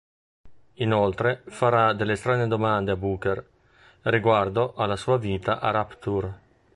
Inoltre, farà delle strane domande a Booker riguardo alla sua vita a Rapture.